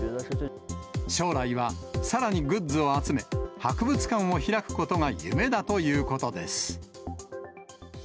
将来はさらにグッズを集め、博物館を開くことが夢だということです。